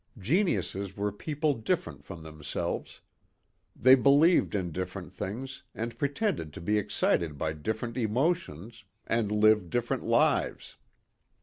Geniuses were people different from themselves. They believed in different things and pretended to be excited by different emotions and lived different lives.